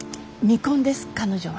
未婚です彼女は。